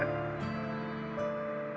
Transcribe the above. sangat berhutang kepada ibunya